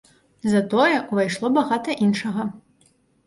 Затое, увайшло багата іншага.